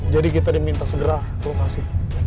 jadi kita diminta segera ke lokasi